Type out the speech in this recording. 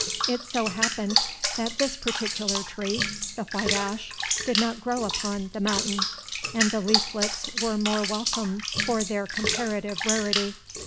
It so happened that this particular tree, the white ash, did not grow upon The Mountain, and the leaflets were more welcome for their comparative rarity.